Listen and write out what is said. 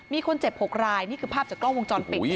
มีคนเจ็บ๖รายนี่คือภาพจากกล้องวงจรปิด